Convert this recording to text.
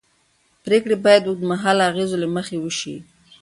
پرېکړې باید د اوږدمهاله اغېزو له مخې وشي